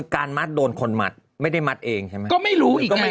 จะลัดเองได้อย่างไรคุณแม่